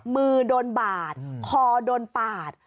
มือโดนบาดคอโดนปาด